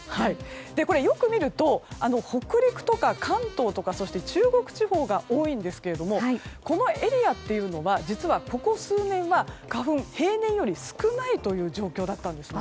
よく見ると北陸とか関東とか中国地方が多いんですけれどもこのエリアっていうのは実はここ数年は花粉が平年より少ない状況だったんですね。